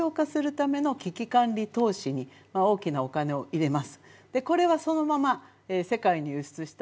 これを最小化するための危機管理投資には大きなお金を入れます